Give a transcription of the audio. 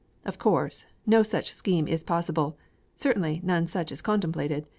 Of course, no such scheme is possible; certainly, none such is contemplated.